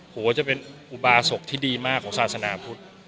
หัวจะเป็นอุบาศกที่ดีมากของศาสนาพุทธ